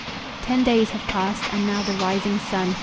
Ten days have passed, and now the rising sun.